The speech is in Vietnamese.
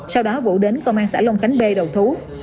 sau đó vũ đến công an xã long khánh bê đầu thú